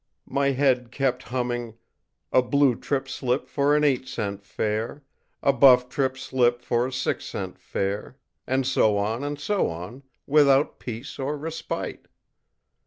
My head kept humming, ìA blue trip slip for an eight cent fare, a buff trip slip for a six cent fare,î and so on and so on, without peace or respite.